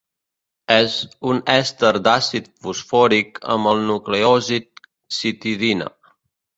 És un èster d'àcid fosfòric amb el nucleòsid citidina.